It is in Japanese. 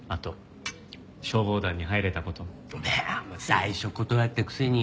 最初断ったくせに。